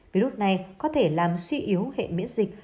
virus này có thể làm suy yếu hệ miễn dịch